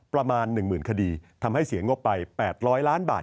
ประมาณ๑๐๐๐คดีทำให้เสียงบไป๘๐๐ล้านบาท